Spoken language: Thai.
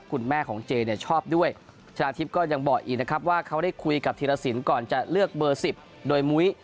คุณแม่ของเจเนี่ยชอบด้วยชนะทิพย์ก็ยังบอกอีกนะครับว่าเขาได้คุยกับธีรสินก่อนจะเลือกเบอร์๑๐โดยมุ้ย